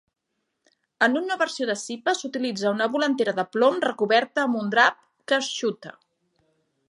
En una versió de Sipa s'utilitza una volandera de plom recoberta amb un drap, que es xuta.